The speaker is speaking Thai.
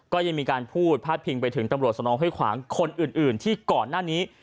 ก็ยังมีการพูดพาดพิงไปถึงตำรวจสนองห้วยขวางคนอื่นที่ก่อนหน้านี้